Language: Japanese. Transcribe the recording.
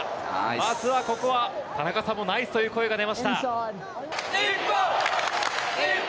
まずはここは、田中さんもナイスという声が出ました。